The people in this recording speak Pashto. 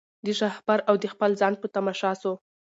د شهپر او د خپل ځان په تماشا سو